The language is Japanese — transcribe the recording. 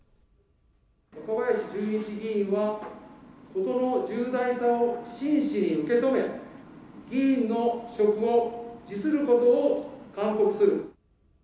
若林純一議員は事の重大さを真摯に受け止め、議員の職を辞することを勧告する。